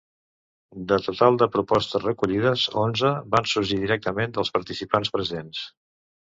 De total de propostes recollides, onze van sorgir directament dels participants presents.